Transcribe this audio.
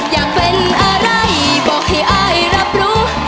อยากเป็นอะไรบอกให้อายรับรู้